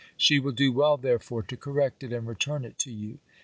She will do well, therefore, to correct it, and return it to you."